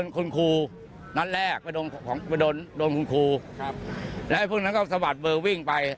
คุณครูนัดแรกไปโดนของไปโดนโดนคุณครูครับแล้วไอ้พวกนั้นก็สะบัดเบอร์วิ่งไป